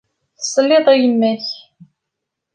Tesliḍ i yemma-k.